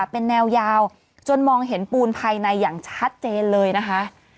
เป็นแนวยาวจนมองเห็นปูนภายในอย่างชัดเจนเลยนะคะ